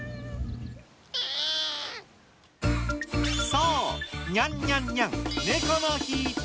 そう、にゃんにゃんにゃん、ネコの日。